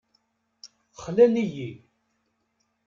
Xlan-iyi.